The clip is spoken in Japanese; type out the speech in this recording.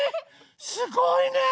すごいね！